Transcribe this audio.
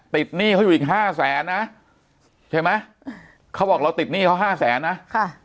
ติดหนี้เค้าอยู่อีก๕แสนนะเขาบอกเราติดหนี้เค้า๕แสนนะค่ะ